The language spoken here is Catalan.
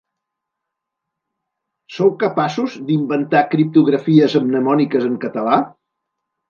Sou capaços d'inventar criptografies mnemòniques en català?